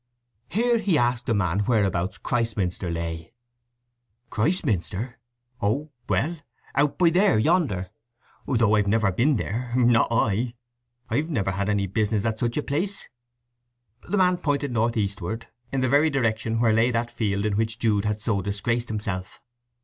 Here he asked a man whereabouts Christminster lay. "Christminster? Oh, well, out by there yonder; though I've never bin there—not I. I've never had any business at such a place." The man pointed north eastward, in the very direction where lay that field in which Jude had so disgraced himself.